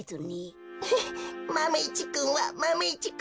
フッマメ１くんはマメ１くんさ。